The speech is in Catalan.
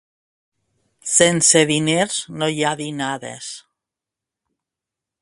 Sense diners no hi ha dinades.